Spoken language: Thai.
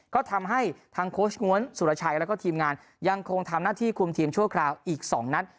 ก็ทำให้ทางโค้ชง้วนสุรชัยแล้วก็ทีมงานยังคงทำหน้าที่คุมทีมชั่วคราวอีก๒นัด